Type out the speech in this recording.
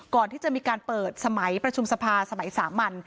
ก่อนที่จะมีการเปิดสมัยประชุมสภาสมัยสามัญ